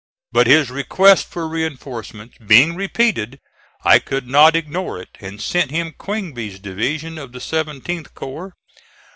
But his request for reinforcements being repeated I could not ignore it, and sent him Quinby's division of the 17th corps.